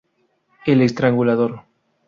El estrangulador.